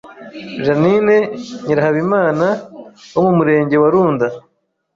Jeannine Nyirahabimana wo mu murenge wa Runda